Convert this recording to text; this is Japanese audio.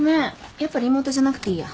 やっぱリモートじゃなくていいや。